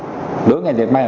đối với người việt nam